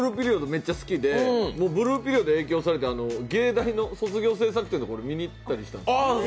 めっちゃ好きで「ブルーピリオド」に影響されて芸大の卒業制作展を見に行ったんですよ。